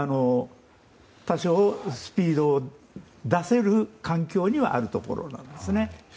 多少、スピードを出せる環境にはあるところなんですね。